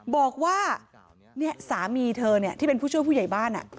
บอกว่าสามีเธอที่เป็นผู้ช่วยผู้ใหญ่บ้าน